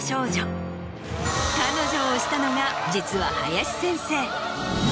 彼女を推したのが実は林先生。